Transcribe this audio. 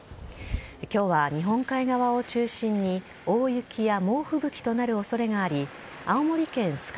今日は日本海側を中心に大雪や猛吹雪となる恐れがあり青森県酸ケ